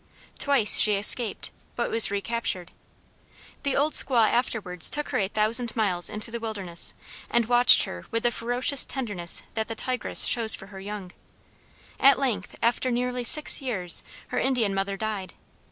Twice she escaped, but was recaptured. The old squaw afterwards took her a thousand miles into the wilderness, and watched her with the ferocious tenderness that the tigress shows for her young. At length, after nearly six years, her Indian mother died.